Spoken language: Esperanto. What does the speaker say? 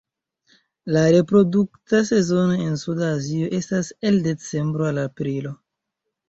La reprodukta sezono en Suda Azio estas el decembro al aprilo.